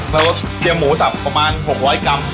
เราเตรียมหมูสับประมาณ๖๐๐กรัม